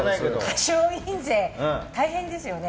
歌唱印税、大変ですよね。